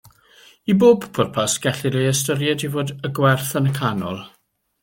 I bob pwrpas, gellir ei ystyried i fod y gwerth yn y canol.